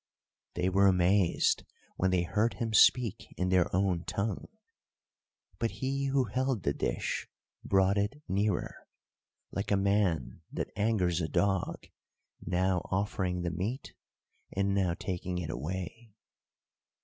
They were amazed when they heard him speak in their own tongue; but he who held the dish brought it nearer, like a man that angers a dog, now offering the meat, and now taking it away.